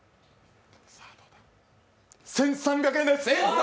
１３００円です。